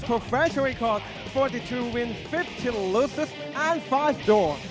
๓คู่ที่ผ่านมานั้นการันตีถึงความสนุกดูดเดือดที่แฟนมวยนั้นสัมผัสได้ครับ